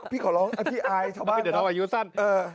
พี่อายเท่าบ้างนะครับเออเดี๋ยวท้องอายุสั้น